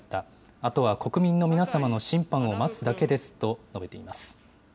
あとは国民の皆様の審判を待つだけですと述べています。